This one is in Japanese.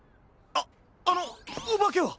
あっあのおばけは？